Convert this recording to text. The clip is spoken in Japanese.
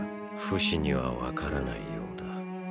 フシには分からないようだ。